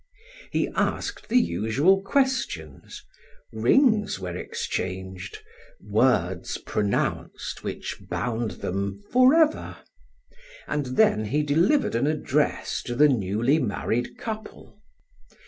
He asked the usual questions, rings were exchanged, words pronounced which bound them forever, and then he delivered an address to the newly married couple.